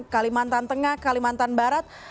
kalimantan tengah kalimantan barat